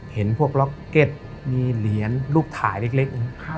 เห็นพวกล็อกเก็ตมีเหรียญรูปถ่ายเล็ก